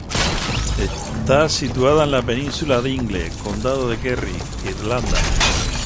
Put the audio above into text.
Está situada en la Península Dingle, condado de Kerry, Irlanda.